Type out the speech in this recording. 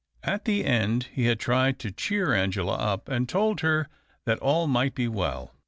At the end he had tried to cheer Angela up, and told her that all might be well.